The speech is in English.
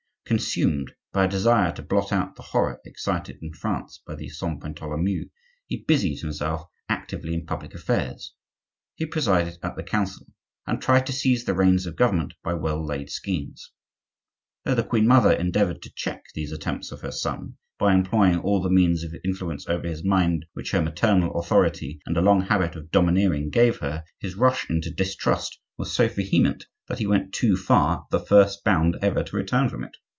Consumed by a desire to blot out the horror excited in France by the Saint Bartholomew, he busied himself actively in public affairs; he presided at the Council, and tried to seize the reins of government by well laid schemes. Though the queen mother endeavored to check these attempts of her son by employing all the means of influence over his mind which her maternal authority and a long habit of domineering gave her, his rush into distrust was so vehement that he went too far at the first bound ever to return from it.